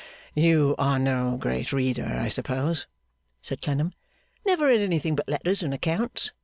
'You are no great reader, I suppose?' said Clennam. 'Never read anything but letters and accounts.